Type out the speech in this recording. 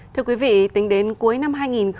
thưa quý vị tính đến cuối năm hai nghìn hai mươi ba